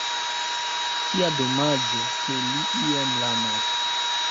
Kia domaĝo ke li iom lamas!